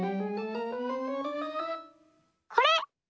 これ！